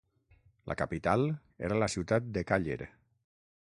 La capital era la ciutat de Càller.